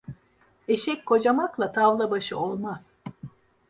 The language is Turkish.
Eşek kocamakla tavla başı olmaz.